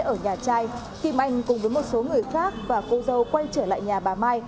ở nhà trai kim anh cùng với một số người khác và cô dâu quay trở lại nhà bà mai